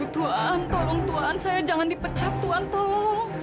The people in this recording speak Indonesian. tuhan tolong tuan saya jangan dipecat tuhan tolong